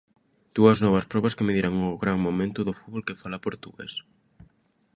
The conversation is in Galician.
Dúas novas probas que medirán o gran momento do fútbol que fala portugués.